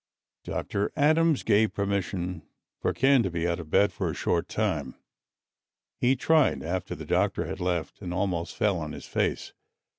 Dr. Adams gave permission for Ken to be out of bed for a short time. He tried, after the doctor had left, and almost fell on his face.